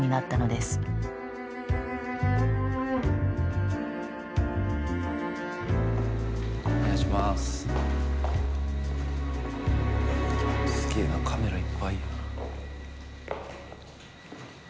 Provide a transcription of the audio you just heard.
すげえなカメラいっぱいや。